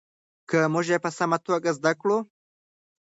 که موږ یې په سمه توګه زده کړو.